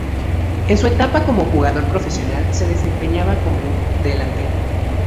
En su etapa como jugador profesional se desempeñaba como delantero.